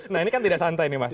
nah ini kan tidak santai ini mas